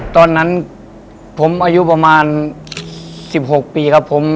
ตอนนั้นผมอายุประมาณ๑๖ปีครับผม